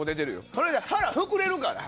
それで腹膨れるから。